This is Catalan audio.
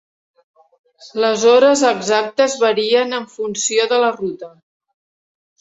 Les hores exactes varien en funció de la ruta.